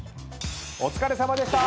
お疲れさまでした！